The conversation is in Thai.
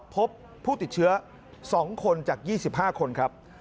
พบผู้ติดเชื้อ๒คนจาก๒๕คนครับ